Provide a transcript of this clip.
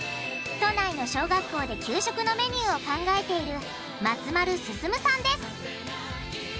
都内の小学校で給食のメニューを考えている松丸奨さんです！